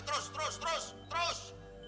terus terus terus terus